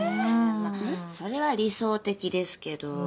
まあそれは理想的ですけど。